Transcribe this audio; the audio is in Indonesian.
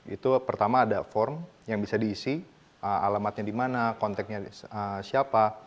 itu pertama ada form yang bisa diisi alamatnya di mana konteknya siapa